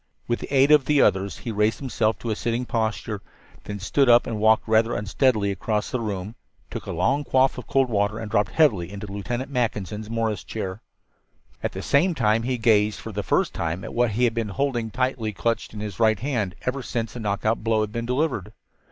With the aid of the others he raised himself to a sitting posture, then stood up and walked rather unsteadily across the room, took a long quaff of cold water and dropped heavily into Lieutenant Mackinson's Morris chair. At the same time he gazed for the first time at what he had been holding tightly clutched in his right hand ever since the knockout blow had been delivered.